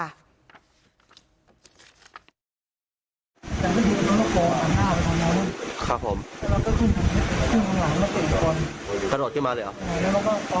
พวกคนกันค่ะขอแกกลัวสันตรูกับถุงตัวสันนั้น